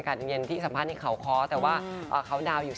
กันเย็นที่สัมภาษณ์ในเกาคอแต่ว่าเอ่อเขาดาวอยู่